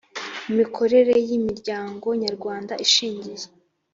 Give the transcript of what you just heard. imikorere y imiryango nyarwanda ishingiye